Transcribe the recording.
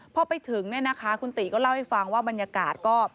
พอไปถึงคุณติก็เล่าให้ฟังว่าบรรยากาศก็